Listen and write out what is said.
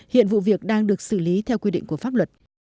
hiện vụ việc đang được xử lý theo quy định của pháp luật